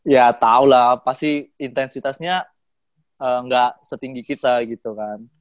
ya tahu lah pasti intensitasnya nggak setinggi kita gitu kan